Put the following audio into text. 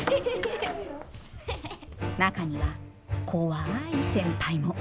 中には怖い先輩も。